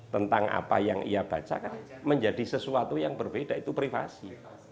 tentang apa yang ia baca kan menjadi sesuatu yang berbeda itu privasi